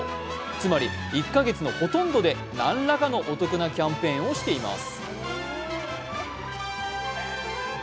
つまり、１か月のほとんどで何らかのお得なキャンペーンをしています。